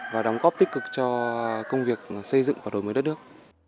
và đóng góp tích cực cho công việc xây dựng và đổi mới đất nước